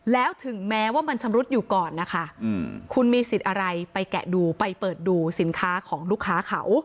แล้วถึงแม้ว่ามันชำรุดอยู่ก่อนนะคะคุณมีสิทธิ์อะไรไปแกะดูไปเปิดดูสินค้าของลูกค้าเขา